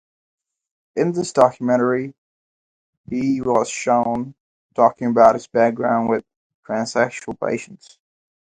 In this documentary, he was shown talking about his background with transsexual patients.